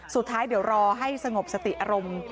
สุดท้ายเดี๋ยวรอให้สงบสติอารมณ์